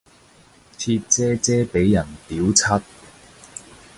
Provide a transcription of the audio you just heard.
貼姐姐俾人屌柒